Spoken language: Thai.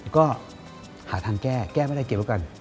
ก็หาทางแก้แก้ไม่ได้เกี่ยวแล้วกัน